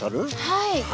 はい。